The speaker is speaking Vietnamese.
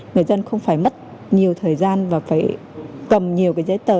người dân không phải mất nhiều thời gian và phải cầm nhiều cái giấy tờ